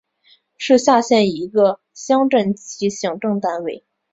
是下辖的一个乡镇级行政单位。